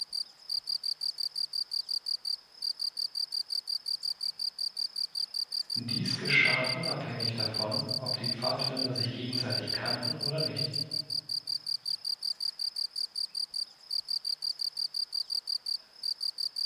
Dies geschah unabhängig davon, ob die Pfadfinder sich gegenseitig kannten oder nicht.